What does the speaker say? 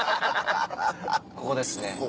ここですね。